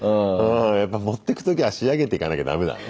やっぱ持ってく時は仕上げていかなきゃダメだね。